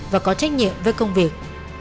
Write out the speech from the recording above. và có trách nhiệm với công việc